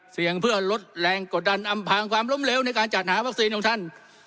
เสี่ยงเพื่อลดแรงกดดันอำพางความล้มเหลวในการจัดหาวัคซีนของท่าน